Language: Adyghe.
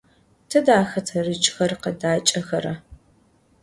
Tıde xeterıç'xer khıdaç'exera?